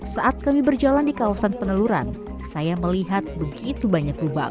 saat kami berjalan di kawasan peneluran saya melihat begitu banyak lubang